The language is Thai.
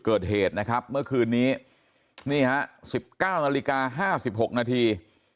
เกิดเหตุนะครับเมื่อคืนนี้นี่ฮะ๑๙นาฬิกา๕๖นาที